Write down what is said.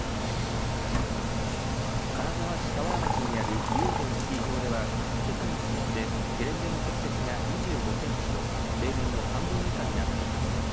金沢市俵町にある医王山スキー場ではけさの時点でゲレンデの積雪が２５センチと例年の半分以下になっています。